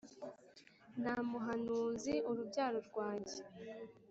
nta muhanuzi-urubyaro rwanjye,